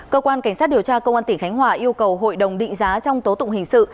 cơ quan cảnh sát điều tra công an tỉnh khánh hòa yêu cầu hội đồng định giá trong tố tụng hình sự